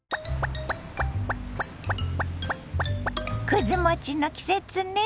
くず餅の季節ね。